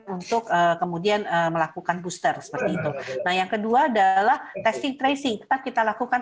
untuk kemudian melakukan booster seperti itu nah yang kedua adalah testing tracing tetap kita lakukan